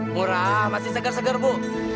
murah masih segar segar bu